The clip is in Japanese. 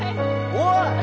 おい！